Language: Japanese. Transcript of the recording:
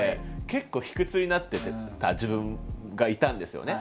結構卑屈になってた自分がいたんですよね。